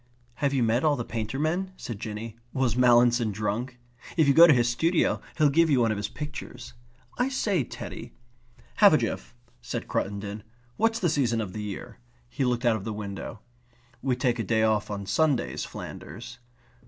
"Have you met all the painter men?" said Jinny. "Was Mallinson drunk? If you go to his studio he'll give you one of his pictures. I say, Teddy...." "Half a jiff," said Cruttendon. "What's the season of the year?" He looked out of the window. "We take a day off on Sundays, Flanders."